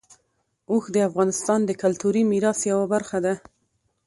اوښ د افغانستان د کلتوري میراث یوه برخه ده.